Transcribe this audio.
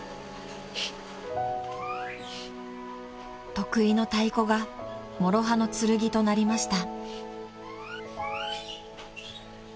［得意の太鼓がもろ刃の剣となりました］